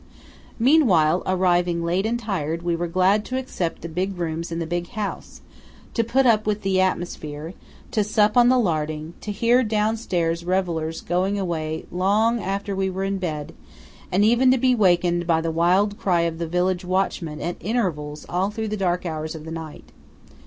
Meanwhile, arriving late and tired, we were glad to accept the big rooms in the big house; to put up with the atmosphere; to sup on the larding; to hear the downstairs revellers going away long after we were in bed; and even to be waked by the wild cry of the village watchman at intervals all through the dark hours of the night.